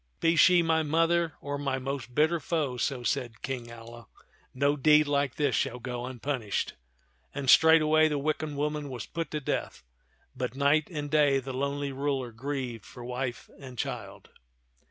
" Be she my mother or my most bitter foe," so said King Alia, "no t^t (\n(xn of Bau?'0 tah 71 deed like this shall go unpunished" ; and straightway the wicked woman was put to death ; but night and day the lonely ruler grieved for wife and child.